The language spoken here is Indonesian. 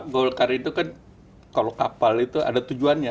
golkar itu kan kalau kapal itu ada tujuannya